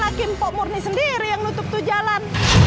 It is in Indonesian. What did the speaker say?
ya kan laki laki mpok murni sendiri yang nutup tuh jalan